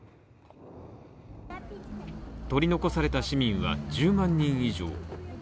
取り残された市民は１０万人以上。